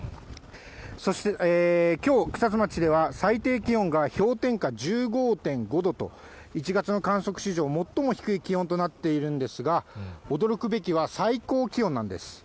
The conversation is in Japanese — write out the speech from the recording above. そしてきょう、草津町では最低気温が氷点下１５．５度と、１月の観測史上最も低い気温となっているんですが、驚くべきは最高気温なんです。